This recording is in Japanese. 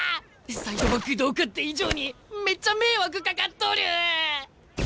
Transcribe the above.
サイドバックどうかって以上にめっちゃ迷惑かかっとる！